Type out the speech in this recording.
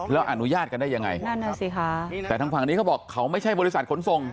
แล้วอนุญาตกันได้ยังไงนั่นน่ะสิคะแต่ทางฝั่งนี้เขาบอกเขาไม่ใช่บริษัทขนส่ง